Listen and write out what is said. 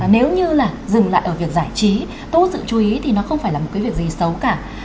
nếu như là dừng lại ở việc giải trí tốt sự chú ý thì nó không phải là một cái việc gì xấu cả